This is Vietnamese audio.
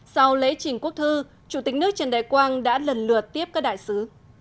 sau lễ trình quốc thư chủ tịch nước trần đại quang đã lần lượt tiếp các đại sứ